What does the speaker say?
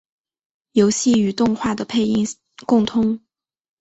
游戏与动画的配音共通。